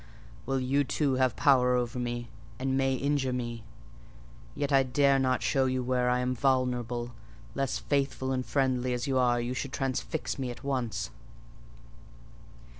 Well, you too have power over me, and may injure me: yet I dare not show you where I am vulnerable, lest, faithful and friendly as you are, you should transfix me at once."